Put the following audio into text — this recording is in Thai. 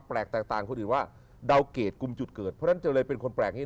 เพราะฉะนั้นจะเป็นคนแปลกที่สุด